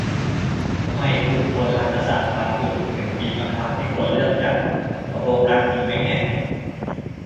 ทำไมกลุ่มคนรักกษัตริย์บางกลุ่มถึงบีบบังคับให้คนเลือกจัง ตกลงรักจริงไหมเนี่ย